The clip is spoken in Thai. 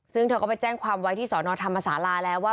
ซึ่งเธอก็ไปแจ้งความไว้ที่สอนอธรรมศาลาแล้วว่า